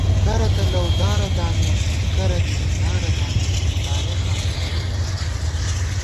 کرہ تہ لؤدارہ دامِؤ کرہ دی مِتارہ دامِؤ ، تارېخاں کھائیؤ ژمېت